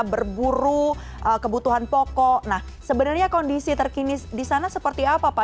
berburu kebutuhan pokok nah sebenarnya kondisi terkini di sana seperti apa pak